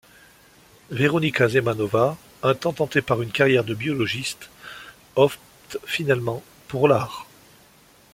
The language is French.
Veronika Zemanová, un temps tentée par une carrière de biologiste, opte finalement pour l'art.